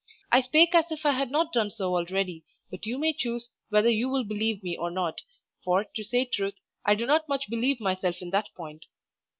I spake as if I had not done so already; but you may choose whether you will believe me or not, for, to say truth, I do not much believe myself in that point.